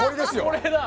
これだ。